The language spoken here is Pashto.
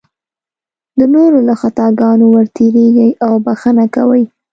د نورو له خطاګانو ورتېرېږي او بښنه کوي.